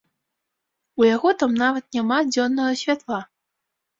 У яго там нават няма дзённага святла.